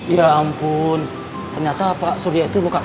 ya ampun ternyata pak surya itu luka